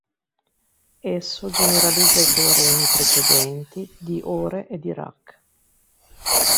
Esso generalizza i teoremi precedenti di Ore e Dirac.